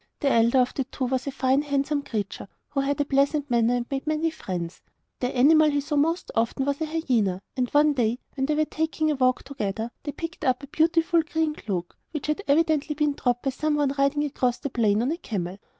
The elder of the two was a fine handsome creature, who had a pleasant manner and made many friends. The animal he saw most of was a hyena; and one day, when they were taking a walk together, they picked up a beautiful green cloak, which had evidently been dropped by some one riding across the plain on a camel.